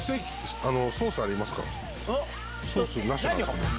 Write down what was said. ソースなしなんですかね。